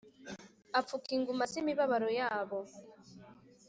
apfuka inguma z’imibabaro yabo”